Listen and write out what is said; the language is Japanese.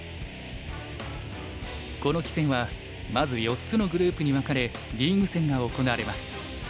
この棋戦はまず４つのグループに分かれリーグ戦が行われます。